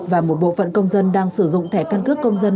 và một bộ phận công dân đang sử dụng thẻ căn cước công dân